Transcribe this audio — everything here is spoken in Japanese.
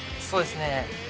そうですね。